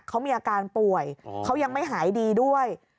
เขามีอาการป่วยเขายังไม่หายดีด้วย